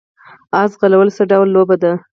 اس ځغلول څه ډول لوبه ده؟